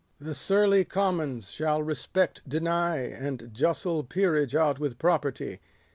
310 The surly commons shall respect deny, And justle peerage out with property.